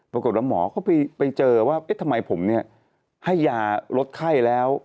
ปรากฏแล้วหมอก็ไปเจอว่าทำไมผมเนี่ยให้ยาลดไข้แล้ว